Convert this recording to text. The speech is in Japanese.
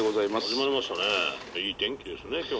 いい天気ですね